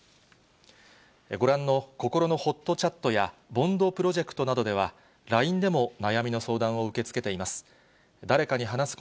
ご覧のこころのほっとチャットや、ＢＯＮＤプロジェクトなどでは、ＬＩＮＥでも悩みの相談を受け付けています。